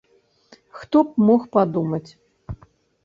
Хто б мог падумаць.